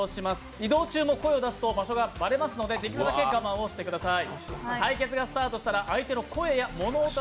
移動中も声を出すと場所がばれますので、できるだけ我慢してください。